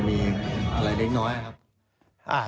มีอะไรเล็กน้อยครับ